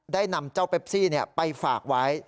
นำเจ้าเปปซี่ไปฝากไว้